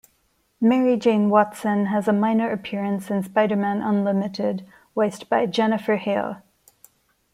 Mary Jane Watson has a minor appearance in "Spider-Man Unlimited", voiced by Jennifer Hale.